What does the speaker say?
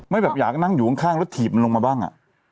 แบบอยากนั่งอยู่ข้างแล้วถีบมันลงมาบ้าง